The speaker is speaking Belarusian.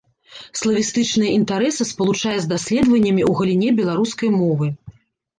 Славістычныя інтарэсы спалучае з даследаваннямі ў галіне беларускай мовы.